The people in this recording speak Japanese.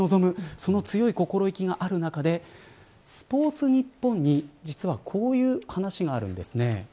その強い心意気がある中でスポーツニッポンに実はこういう話があるんです。